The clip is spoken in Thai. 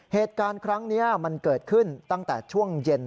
เหตุการณ์ครั้งนี้มันเกิดขึ้นตั้งแต่ช่วงเย็น